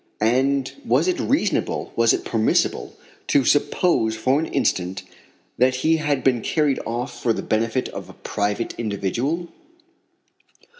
And was it reasonable, was it permissible, to suppose for an instant that he had been carried off for the benefit of a private individual?